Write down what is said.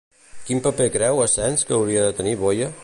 Quin paper creu Asens que hauria de tenir Boye?